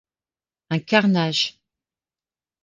Un carnage.